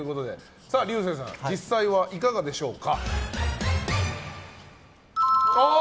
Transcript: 竜星さん実際はいかがでしょうか。